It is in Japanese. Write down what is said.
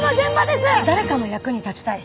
誰かの役に立ちたい。